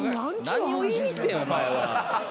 何を言いに来てんお前は。